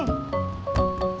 lama gak berdiri